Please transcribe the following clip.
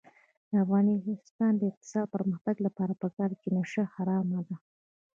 د افغانستان د اقتصادي پرمختګ لپاره پکار ده چې نشه حرامه ده.